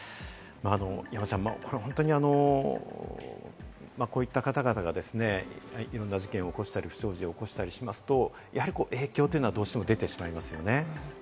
山ちゃん、本当にこういった方々がいろんな事件を起こしたり不祥事を起こしたりしますと、やはり影響というのはどうしても出てしまいますよね。